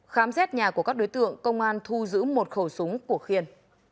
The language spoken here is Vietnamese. khám xét nhà của các đối tượng công an thu giữ một khẩu súng của khiên